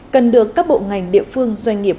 cần được các bộ ngành địa phương doanh nghiệp